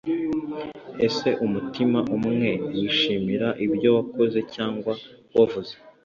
ese umutima umwe wishimira ibyo wakoze cyangwa wavuze